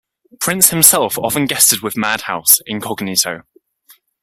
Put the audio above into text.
Prince himself often guested with Madhouse, incognito.